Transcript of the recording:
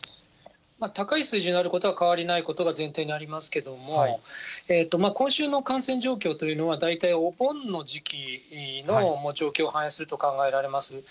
高い水準にあることは変わりないことが前提にありますけれども、今週の感染状況というのは、大体お盆の時期の状況を反映すると考えられます。